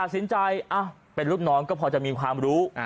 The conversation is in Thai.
ตัดสินใจอ่ะเป็นลูกน้องก็พอจะมีความรู้อ่า